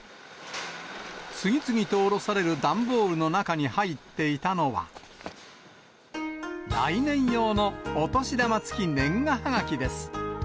次々と降ろされる段ボールの中に入っていたのは、来年用のお年玉つき年賀はがきです。